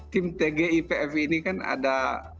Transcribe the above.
tim tg ipf ini kan ada